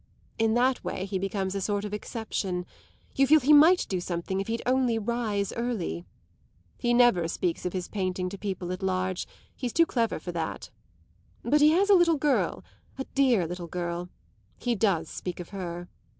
In that way he becomes a sort of exception; you feel he might do something if he'd only rise early. He never speaks of his painting to people at large; he's too clever for that. But he has a little girl a dear little girl; he does speak of her.